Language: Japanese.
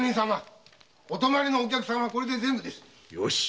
お泊まりのお客さんはこれで全部です。